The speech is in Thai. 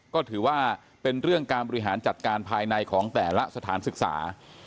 ก็ถือว่าเป็นเรื่องการบริหารจัดการภายในของแต่ละสถานศึกษา